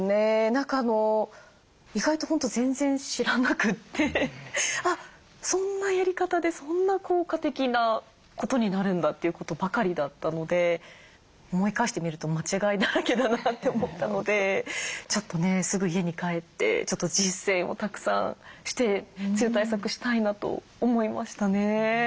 何か意外と本当全然知らなくてあっそんなやり方でそんな効果的なことになるんだということばかりだったので思い返してみると間違いだらけだなって思ったのでちょっとねすぐ家に帰ってちょっと実践をたくさんして梅雨対策したいなと思いましたね。